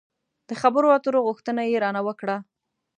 د خبرو اترو غوښتنه يې را نه وکړه.